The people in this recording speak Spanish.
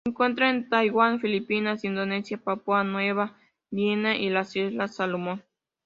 Se encuentran en Taiwán, Filipinas, Indonesia, Papúa Nueva Guinea y las Islas Salomón.